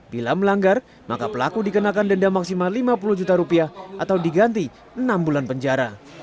bila melanggar maka pelaku dikenakan denda maksimal lima puluh juta rupiah atau diganti enam bulan penjara